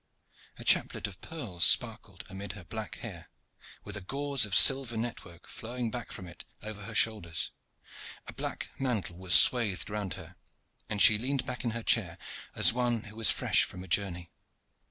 A chaplet of pearls sparkled amid her black hair, with a gauze of silver network flowing back from it over her shoulders; a black mantle was swathed round her, and she leaned back in her chair as one who is fresh from a journey.